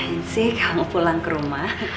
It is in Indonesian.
ngapain sih kamu pulang ke rumah